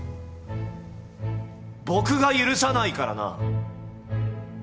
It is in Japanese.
僕が許さないからな。